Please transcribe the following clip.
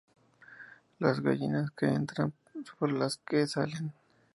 Las gallinas que entran por las que salen